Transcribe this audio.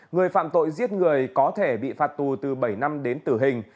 người phạm tội giết người có thể bị phạt tù từ bảy năm đến tử hình